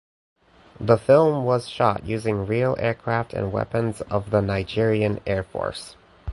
The film was shot using real aircraft and weapons of the Nigerian Airforce.